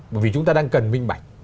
bởi vì chúng ta đang cần minh bạch